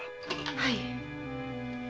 はい。